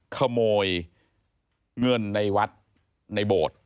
ขโมยเงินในวัดในโบสถ์